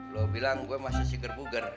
lo bilang gue masih siger buger